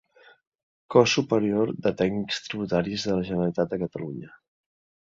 Cos superior de tècnics tributaris de la Generalitat de Catalunya.